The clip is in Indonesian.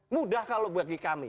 mudah kalau bagi kami